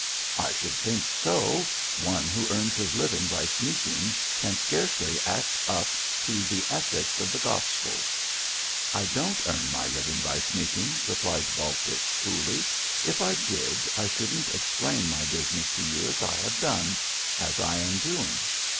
'I should think so. One who earns his living by sneaking can scarcely act up to the ethics of the Gospels.' 'I don't earn my living by sneaking,' replied Baltic, coolly. 'If I did, I shouldn't explain my business to you as I have done as I am doing.